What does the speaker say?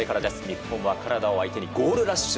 日本はカナダを相手にゴールラッシュ。